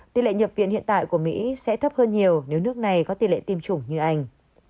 tỷ lệ nhập viện hiện tại của mỹ sẽ thấp hơn nhiều nếu nước này có tỷ lệ tiêm chủng như anh